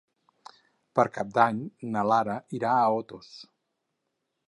Per Cap d'Any na Lara irà a Otos.